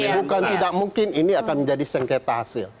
bukan tidak mungkin ini akan menjadi sengketa hasil